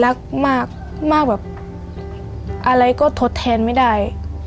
รักมากมากแบบอะไรก็ทดแทนไม่ได้